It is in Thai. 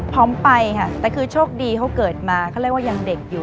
พร้อมไปแต่คือโชคดีเค้าเกิดมาเค้าเรียกว่ายังเด็กอยู่